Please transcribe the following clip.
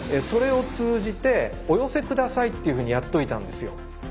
それを通じてお寄せ下さいっていうふうにやっといたんですよ。